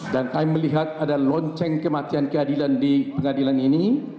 dan kami melihat ada lonceng kematian keadilan di pengadilan ini